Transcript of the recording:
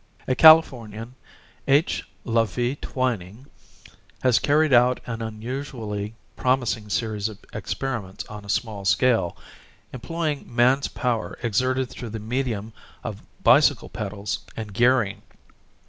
A Californian, H. La V. Twining, has carried out an unusually promis ing series of experiments on a small scale, employing man power exerted through the medium of bicycle pedals and gearing.